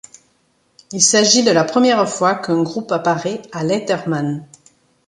Il s'agit de la première fois qu'un groupe apparaît à Letterman.